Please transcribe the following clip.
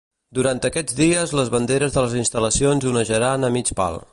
Durant aquests dies les banderes de les instal·lacions onejaran a mig pal.